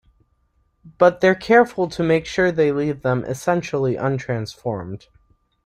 But they're careful to make sure they leave them essentially untransformed.